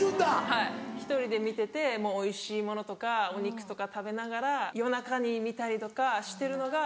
はい１人で見てておいしいものとかお肉とか食べながら夜中に見たりとかしてるのが。